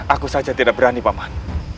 aku saja tidak berani paman